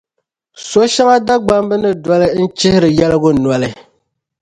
So’ shɛŋa Dagbamb ni doli n-chihiri yɛligu noli.